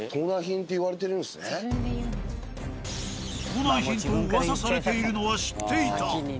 盗難品と噂されているのは知っていた。